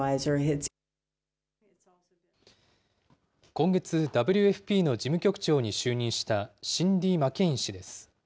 今月、ＷＦＰの事務局長に就任したシンディ・マケイン氏です。